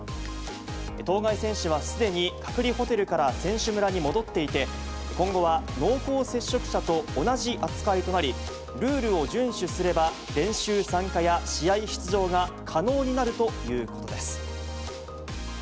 当該選手はすでに隔離ホテルから選手村に戻っていて、今後は濃厚接触者と同じ扱いとなり、ルールを順守すれば、練習参加や試合出場が可能になるということです。